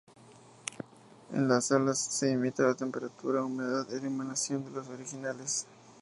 En las salas se imita la temperatura, humedad e iluminación de los originales.